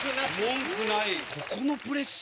文句ない。